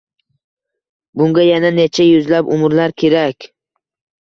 Bunga yana necha yuzlab umrlar kerak. Y